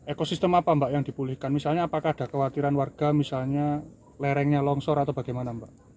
ekosistem apa mbak yang dipulihkan misalnya apakah ada kewakilan warga misalnya lerengnya longsor atau bagaimana mbak